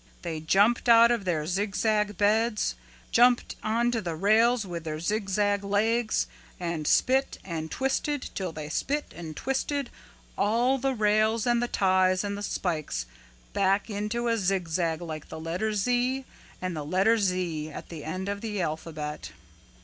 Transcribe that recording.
"They jumped out of their zigzag beds, jumped onto the rails with their zigzag legs and spit and twisted till they spit and twisted all the rails and the ties and the spikes back into a zigzag like the letter Z and the letter Z at the end of the alphabet.